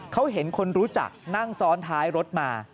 เขาเห็นคนรู้จักนั่งซ้อนท้ายรถมา